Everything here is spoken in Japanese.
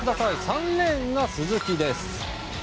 ３レーンが鈴木です。